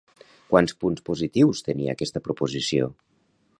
Quants punts positius tenia aquesta proposició?